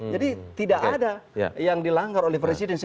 jadi tidak ada yang dilanggar oleh presidensi